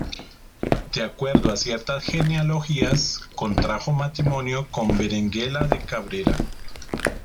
De acuerdo a ciertas genealogías, contrajo matrimonio con Berenguela de Cabrera.